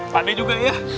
pak d juga ya